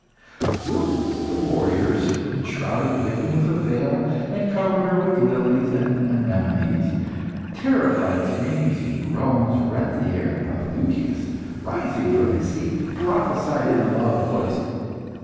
Whilst the warriors enshrouded the victim with a veil, and covered her with lilies and anemones, terrified screams and groans rent the air, and Paphnutius, rising from his seat, prophesied in a loud voice.